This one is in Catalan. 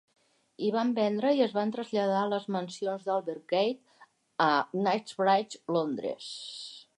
Hi van vendre i es van traslladar a les mansions d'Albert Gate, a Knightsbridge, Londres.